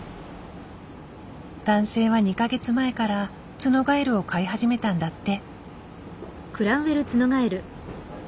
男性は２か月前からツノガエルを飼い始めたんだって。